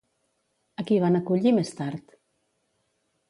A qui van acollir més tard?